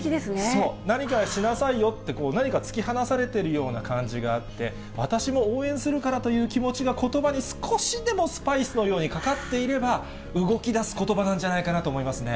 そう、何かしなさいよって、何か突き放されてるような感じがあって、私も応援するからという気持ちがことばに少しでもスパイスのようにかかっていれば、動きだすことばなんじゃないかなと思いますね。